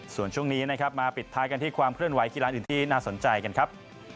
ส่วนช่วงนี้นะครับมาปิดท้ายกันที่ความเคลื่อนไหกีฬาอื่นที่น่าสนใจกันครับ